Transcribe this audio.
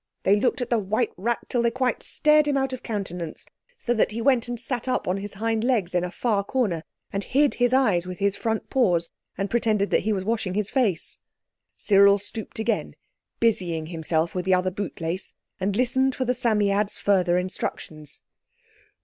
They looked at the white rat till they quite stared him out of countenance, so that he went and sat up on his hind legs in a far corner and hid his eyes with his front paws, and pretended he was washing his face. Cyril stooped again, busying himself with the other bootlace and listened for the Psammead's further instructions.